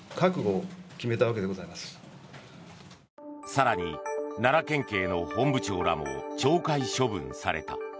更に、奈良県警の本部長らも懲戒処分された。